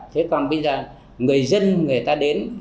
thế còn bây giờ người dân người ta đến